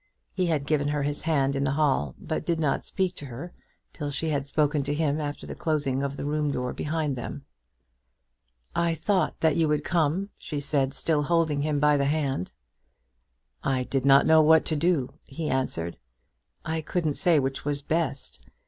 He had given her his hand in the hall, but did not speak to her till she had spoken to him after the closing of the room door behind them. "I thought that you would come," she said, still holding him by the hand. "I did not know what to do," he answered. "I couldn't say which was best.